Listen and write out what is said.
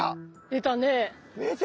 出たね。